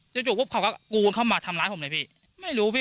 จู่ปุ๊บเขาก็กูกันเข้ามาทำร้ายผมเลยพี่ไม่รู้พี่